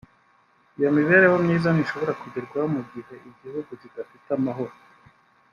Iyo mibereho myiza ntishobora kugerwaho mu gihe igihugu kidafite amahoro